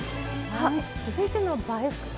続いての「“映え”副菜」。